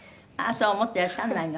そう思ってらっしゃらないの？